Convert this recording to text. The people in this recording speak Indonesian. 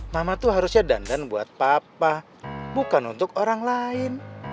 mama tuh harusnya dandan buat papa bukan untuk orang lain